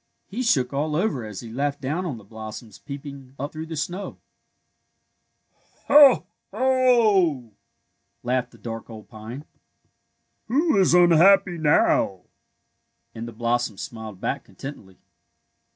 He shook aU over as he laughed down on the blossoms peeping up through the snow. ^^Ho! Ho!" laughed the dark old pine. 120 THE WILD ROSE ii Who is unhappy now? " and the blossoms smiled back contentedly.